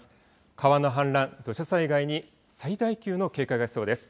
川の氾濫、土砂災害に最大級の警戒が必要です。